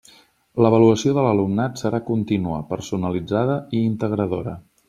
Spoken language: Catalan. L'avaluació de l'alumnat serà contínua, personalitzada i integradora.